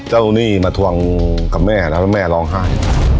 เจ้าหนี้มาทวงกับแม่แล้วแม่ร้องไห้